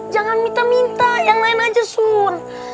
jangan minta minta yang lain aja sun